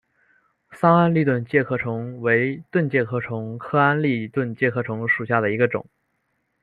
桑安蛎盾介壳虫为盾介壳虫科安蛎盾介壳虫属下的一个种。